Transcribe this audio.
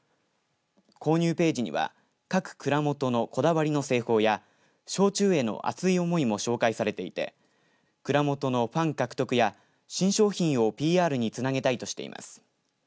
購入ページには各蔵元のこだわりの製法や焼酎への熱い思いも紹介されていて蔵元のファン獲得や新商品をＰＲにつなげたいとしています。